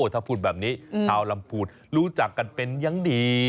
ถ้าพูดแบบนี้ชาวลำพูนรู้จักกันเป็นอย่างดี